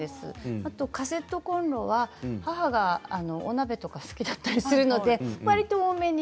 あとカセットコンロは母がお鍋とか好きだったりするのでわりと多めに。